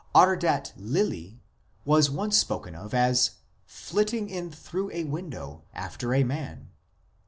Ardat Lili is once spoken of as " flitting in through a window " after a man.